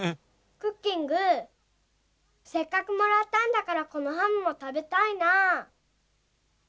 クッキングせっかくもらったんだからこのハムもたべたいなぁ。